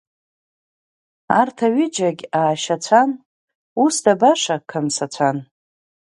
Арҭ аҩыџьагь аашьацәан, усда баша қамсацәан.